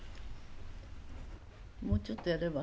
もうちょっとやれば？